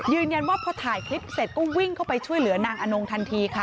ว่าพอถ่ายคลิปเสร็จก็วิ่งเข้าไปช่วยเหลือนางอนงทันทีค่ะ